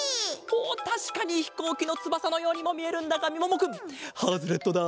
おったしかにひこうきのつばさのようにもみえるんだがみももくんハズレットだ。